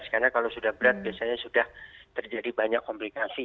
karena kalau sudah berat biasanya sudah terjadi banyak komplikasi